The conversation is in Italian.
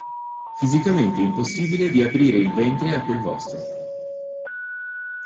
Fisicamente impossibile di aprire il ventre a quel vostro.